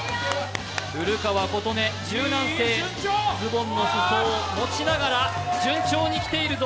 古川琴音、柔軟性、ズボンのすそを持ちながら順調にきているぞ。